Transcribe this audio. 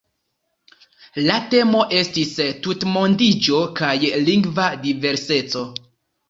La temo estis "Tutmondiĝo kaj lingva diverseco.